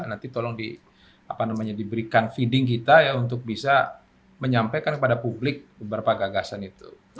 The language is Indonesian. nanti tolong diberikan feeding kita ya untuk bisa menyampaikan kepada publik beberapa gagasan itu